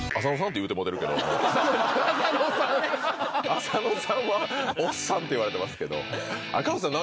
浅野さんは「おっさん」って言われてますけど。